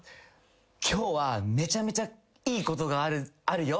今日はめちゃめちゃいいことがあるよ」みたいな。